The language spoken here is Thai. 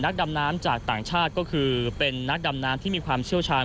ดำน้ำจากต่างชาติก็คือเป็นนักดำน้ำที่มีความเชี่ยวชาญ